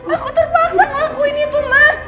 aku terpaksa ngelakuin itu mas